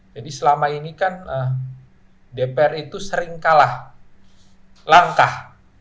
jadi selama ini kan dpr itu sering kalah langkah